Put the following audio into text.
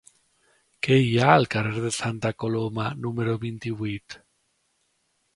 Què hi ha al carrer de Santa Coloma número vint-i-vuit?